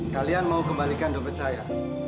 kalian mau kembalikan dopet saya